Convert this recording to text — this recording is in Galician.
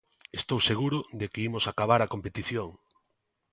Estou seguro de que imos acabar a competición.